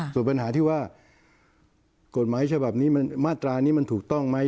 ส่วนปัญหาที่ว่ากฎหมายฉบับนี้มาตรานี้มันถูกต้องไหม